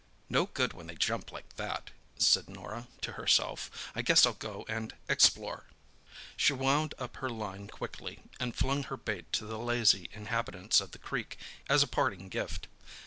"No good when they jump like that," said Norah to herself. "I guess I'll go and explore." She wound up her line quickly, and flung her bait to the lazy inhabitants of the creek as a parting gift.